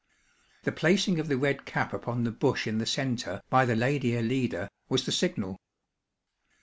The placing of the red cap upon the bush in the centre, by the lady Alida, was the signal.